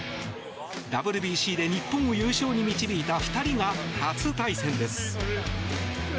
ＷＢＣで日本を優勝に導いた２人が初対戦です。